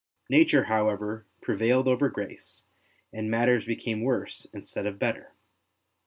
Nature, however, pre vailed over grace, and matters became worse instead of better.